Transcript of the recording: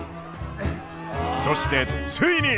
そしてついに。